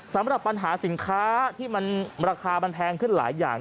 สำหรับปัญหาสินค้าที่มันราคามันแพงขึ้นหลายอย่าง